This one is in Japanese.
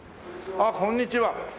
ああこんにちは。